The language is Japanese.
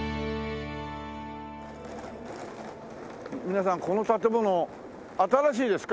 皆さんこの建物新しいですか？